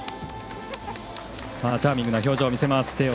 チャーミングな表情を見せます。